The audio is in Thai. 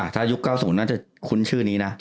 ถ้ายุค๙๐น่าจะคุ้นชื่อนี้นะ